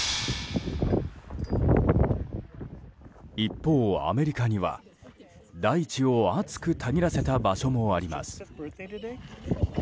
一方、アメリカには大地を熱くたぎらせた場所もあります。